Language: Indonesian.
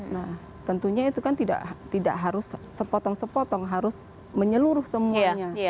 nah tentunya itu kan tidak harus sepotong sepotong harus menyeluruh semuanya